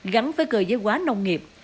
gắn với cơ giới hóa nông nghiệp